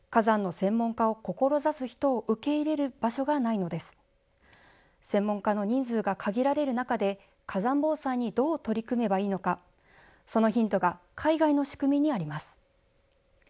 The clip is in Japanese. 専門家の人数が限られる中で、火山防災にどう取り組めばいいのか、そのヒントが海外の仕組みにあります。